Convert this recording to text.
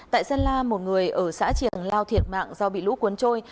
tại dân la một người ở xã triển lao thiệt mạng do bị lũ cuốn trôi